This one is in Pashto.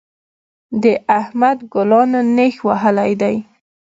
د احمد ګلانو نېښ وهلی دی.